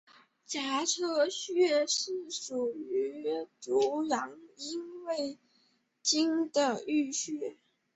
颊车穴是属于足阳明胃经的腧穴。